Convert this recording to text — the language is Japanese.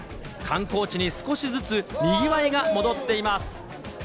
観光地に少しずつにぎわいが戻っています。